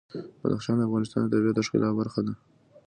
بدخشان د افغانستان د طبیعت د ښکلا برخه ده.